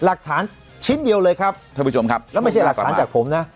หลักฐานชิ้นเดียวเลยครับแล้วไม่ใช่หลักฐานจากผมนะ